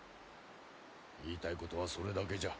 言いたいことはそれだけじゃ。